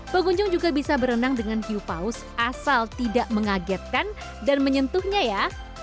pengunjung juga bisa berenang dengan hiu paus asal tidak mengagetkan dan menyentuhnya ya